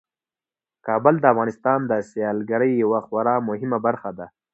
کابل د افغانستان د سیلګرۍ یوه خورا مهمه برخه ده.